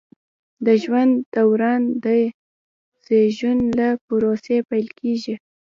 د ژوند دوران د زیږون له پروسې پیل کیږي.